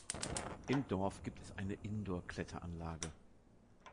Im Dorf gibt es eine Indoor-Kletteranlage.